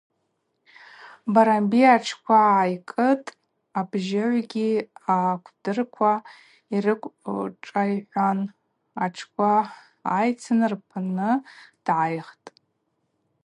Барамби атшква гӏайкӏытӏ, абжьыгӏвгьи акӏвдырква йрыквшӏайхӏван атшква гӏайцхын рпны дгӏайхтӏ.